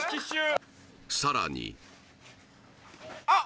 さらに・あっ！